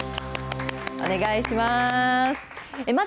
お願いします。